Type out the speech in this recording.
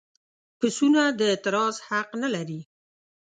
پسونه د اعتراض حق نه لري.